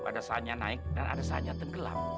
ada saatnya naik dan ada saatnya tenggelam